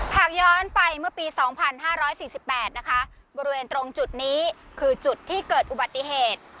ผากย้อนไปเมื่อปีสองพันห้าร้อยสิบสิบแปดนะคะบริเวณตรงจุดนี้คือจุดที่เกิดอุบัติเหตุ